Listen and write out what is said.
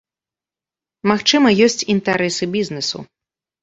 Магчыма, ёсць інтарэсы бізнэсу.